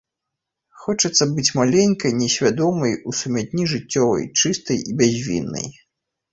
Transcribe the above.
Хочацца быць маленькай, несвядомай у сумятні жыццёвай, чыстай і бязвіннай.